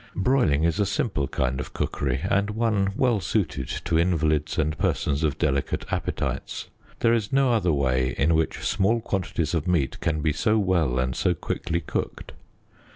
Broiling is a simple kind of cookery, and one well suited to invalids and persons of delicate appetites. There is no other way in which small quantities of meat can be so well and so quickly cooked.